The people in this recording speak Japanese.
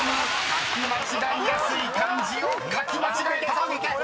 書き間違いやすい漢字を書き間違えた！］